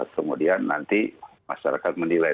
kemudian nanti masyarakat menilai